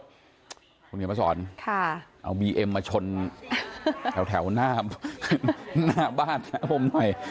คุณเงียนพระสอนค่ะเอาบีเอ็มมาชนแถวแถวหน้าหน้าบ้านนะผมหน่อย